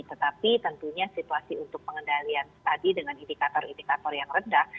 tetapi tentunya situasi untuk pengendalian tadi dengan indikator indikator yang rendah